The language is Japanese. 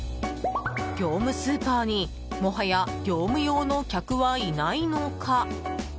業務スーパーにもはや業務用の客はいないのか。